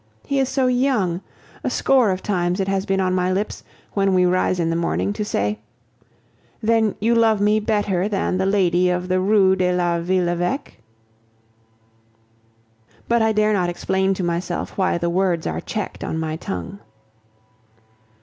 He is so young! A score of times it has been on my lips, when we rise in the morning, to say, "Then you love me better than the lady of the Rue de la Ville l'Eveque?" But I dare not explain to myself why the words are checked on my tongue.